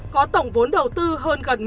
có tổng vốn đầu tư hơn gần